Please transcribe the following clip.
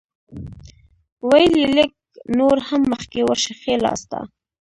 ویل یې لږ نور هم مخکې ورشه ښی لاسته.